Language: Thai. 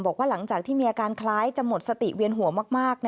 บอกว่าหลังจากที่มีอาการคล้ายจะหมดสติเวียนหัวมาก